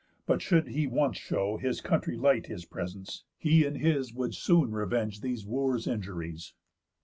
But should he once show His country light his presence, he and his Would soon revenge these Wooers' injuries."